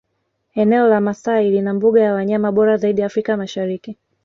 Eneo la Maasai lina mbuga ya wanyama bora zaidi Afrika Mashariki